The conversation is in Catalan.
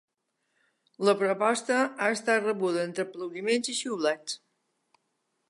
La proposta ha estat rebuda entre aplaudiments i xiulets.